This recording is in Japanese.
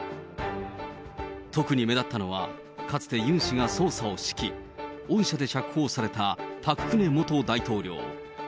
特に目立ったのは、かつてユン氏が捜査を指揮、恩赦で釈放されたパク・クネ元大統領。